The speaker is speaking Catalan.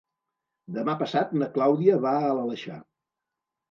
Demà passat na Clàudia va a l'Aleixar.